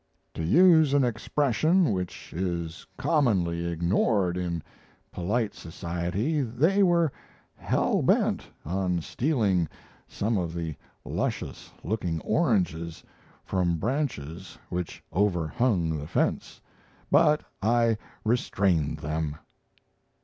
To use an expression which is commonly ignored in polite society, they were "hell bent" on stealing some of the luscious looking oranges from branches which overhung the fence, but I restrained them.